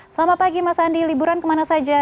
selamat pagi mas andi liburan kemana saja